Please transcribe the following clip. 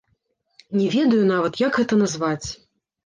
Не ведаю нават, як гэта назваць.